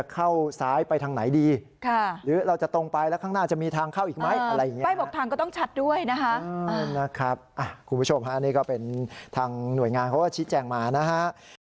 ก็เป็นทางหน่วยงานเขาก็ชิดแจ้งมานะฮะ